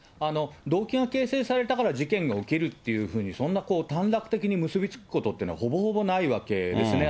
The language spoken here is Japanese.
動機が形成されたから事件が起きるというふうに、そんなこう、短絡的に結びつくことっていうのはほぼほぼないわけですね。